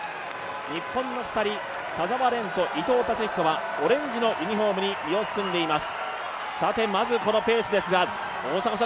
日本の２人、田澤廉と伊藤達彦はオレンジのユニフォームに身を包んでいます。